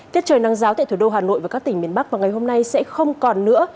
tiết trời nắng ráo tại thủ đô hà nội và các tỉnh miền bắc vào ngày hôm nay sẽ không còn nữa